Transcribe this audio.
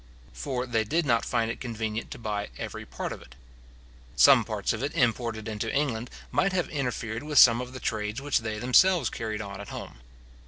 For they did not find it convenient to buy every part of it. Some parts of it imported into England, might have interfered with some of the trades which they themselves carried on at home.